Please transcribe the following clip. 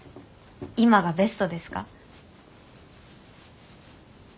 今がベストですか？